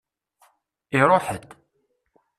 Iṛuḥ-d.